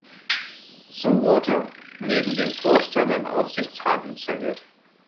So wurde neben dem Vorstand ein Aufsichtsrat installiert.